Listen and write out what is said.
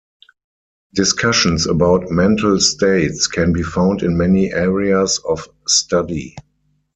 Discussions about mental states can be found in many areas of study.